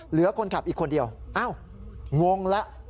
เหลือคนขับอีกคนเดียวอ้าวงงแล้ว